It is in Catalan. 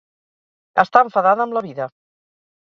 Està enfadada amb la vida.